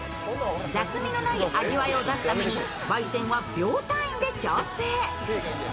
雑味のない味わいを出すために焙煎は秒単位で調整。